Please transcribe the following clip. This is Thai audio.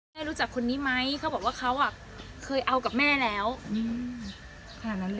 แม่รู้จักคนนี้ไหมเขาบอกว่าเขาอ่ะเคยเอากับแม่แล้วขนาดนั้นเลย